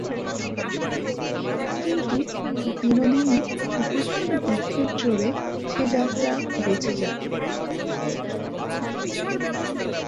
কিন্তু বিনোদিনী উপস্থিত বুদ্ধির জোরে সে যাত্রা বেঁচে যান।